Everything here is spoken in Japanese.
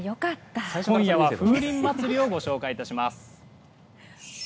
今夜は風鈴まつりをご紹介します。